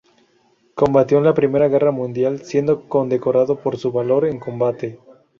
Combatió en la Primera Guerra Mundial, siendo condecorado por su valor en combate.